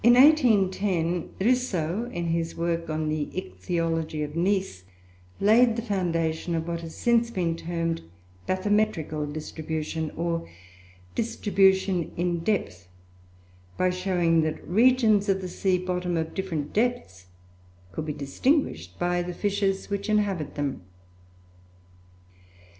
In 1810, Risso, in his work on the Ichthyology of Nice, laid the foundation of what has since been termed "bathymetrical" distribution, or distribution in depth, by showing that regions of the sea bottom of different depths could be distinguished by the fishes which inhabit them.